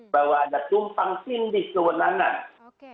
bahwa ada tumpang tindih kewenangan